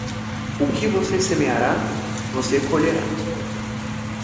O que você semeará, você colherá.